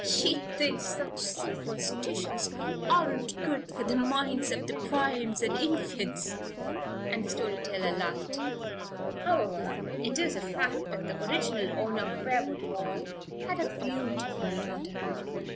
"She thinks such superstitions aren't good for the minds of the Primes and Infants," and the story teller laughed. "However, it is a fact that the original owner of Briarwood Hall had a beautiful daughter.